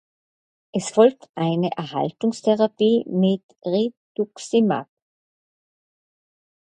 Es folgt eine Erhaltungstherapie mit Rituximab.